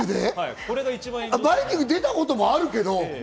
『バイキング』出たこともあるけど。